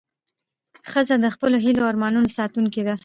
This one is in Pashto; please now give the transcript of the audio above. ښځه د خپلو هیلو او ارمانونو ساتونکې ده.